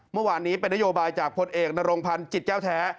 เมื่อวานนี้เป็นนโยบายจากพลเอกนรงพันธ์จิตแก้วแท้